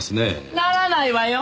ならないわよ！